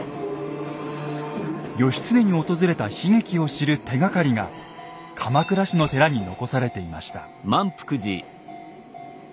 義経に訪れた悲劇を知る手がかりが鎌倉市の寺に残されていました。